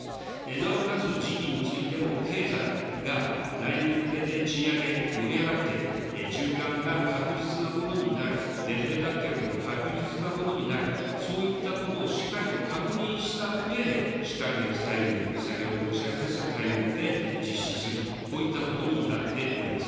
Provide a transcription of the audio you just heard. なおかつ時期についても、経済が来年に向けて賃上げ盛り上がって、循環が確実なものになる、デフレ脱却が確実なものになる、そういったことをしっかりと確認したうえで、しかるべきタイミング、先ほど申し上げましたタイミングで、実施する、こういったことになっております。